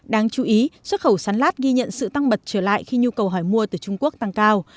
đáng chú ý xuất khẩu sắn lát ghi nhận sự tăng bật trở lại khi nhu cầu hỏi mua từ trung quốc tăng cao